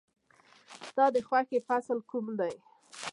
ستا د خوښې فصل کوم دی؟